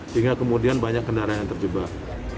sehingga kemudian banyak kendaraan yang terjebak